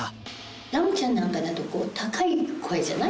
ラムちゃんなんかだと高い声じゃない？